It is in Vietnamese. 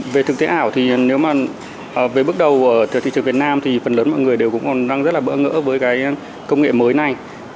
về thực tế ảo thì nếu mà về bước đầu thị trường việt nam thì phần lớn mọi người đều cũng còn đang rất là bỡ ngỡ với cái công nghệ mới này